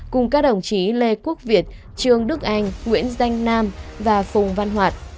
cùng các đồng chí lê quốc việt trương đức anh nguyễn danh nam và phùng văn hoạt